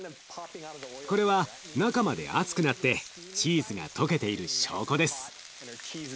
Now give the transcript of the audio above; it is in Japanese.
これは中まで熱くなってチーズが溶けている証拠です。